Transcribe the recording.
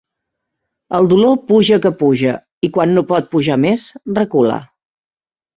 El dolor puja que puja i, quan no pot pujar més, recula.